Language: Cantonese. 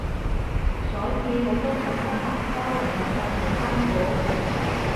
所以好多本身文科人入去好辛苦